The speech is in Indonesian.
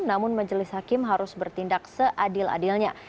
namun majelis hakim harus bertindak seadil adilnya